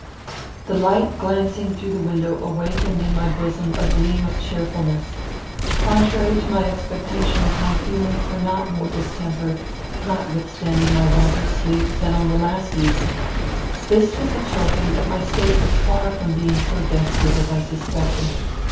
The light glancing through the window awakened in my bosom a gleam of cheerfulness. Contrary to my expectations, my feelings were not more distempered, notwithstanding my want of sleep, than on the last evening. This was a token that my state was far from being so desperate as I suspected.